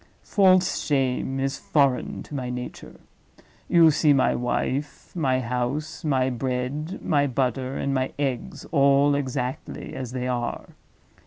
False shame is foreign to my nature. You see my wife, my house, my bread, my butter, and my eggs, all exactly as they are.